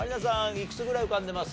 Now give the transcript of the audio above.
いくつぐらい浮かんでます？